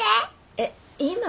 えっ今？